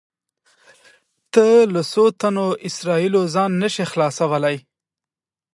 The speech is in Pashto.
ته له څو تنو اسرایلو ځان نه شې خلاصولی.